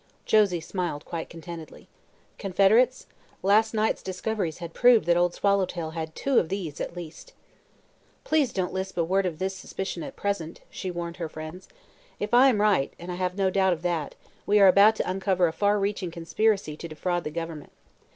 Josie smiled quite contentedly. Confederates? Last night's discoveries had proved that Old Swallowtail had two of these, at least. "Please don't lisp a word of this suspicion at present," she warned her friends. "If I am right and I have no doubt of that we are about to uncover a far reaching conspiracy to defraud the Government.